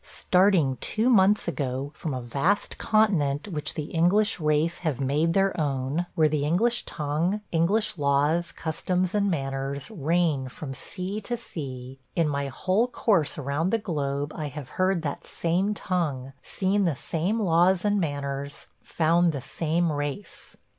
... Starting two months ago from a vast continent which the English race have made their own, where the English tongue, English laws, customs, and manners reign from sea to sea, in my whole course around the globe I have heard that same tongue, seen the same laws and manners, found the same race.